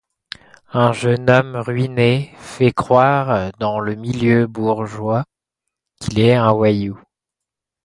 Un jeune homme ruiné fait croire dans le milieu bourgeois qu'il est un voyou.